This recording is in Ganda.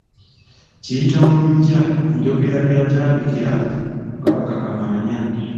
Kiyiyta mu luggya njogera eyatandikira ku Kabaka Kamaanya.